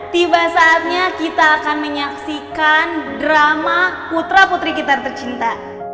tiba saatnya kita akan menyaksikan drama putra putri kita tercinta